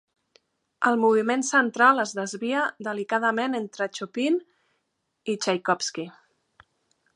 El moviment central es desvia delicadament entre Chopin i Txaikovski.